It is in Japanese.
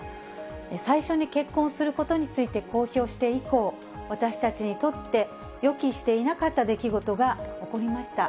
最初に結婚することについて公表して以降、私たちにとって予期していなかった出来事が起こりました。